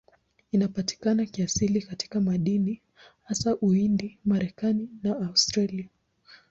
Inapatikana kiasili katika madini, hasa Uhindi, Marekani na Australia.